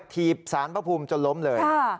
ถีบสารพระภูมิจนล้มเลย